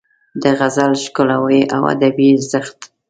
د غزل ښکلاوې او ادبي ارزښت